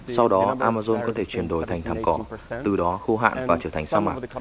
sau đó amazon có thể chuyển đổi thành thảm cỏ từ đó khô hạn và trở thành sa mạc